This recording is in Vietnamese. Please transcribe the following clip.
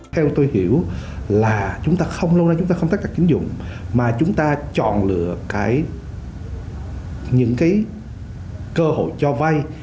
theo tôi hiểu là lâu nay chúng ta không tắt các tín dụng mà chúng ta chọn lựa những cơ hội cho vay